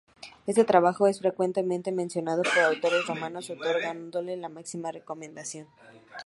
Este trabajo es frecuentemente mencionado por autores romanos, otorgándole la máxima recomendación.